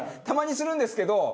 たまにするんですけど。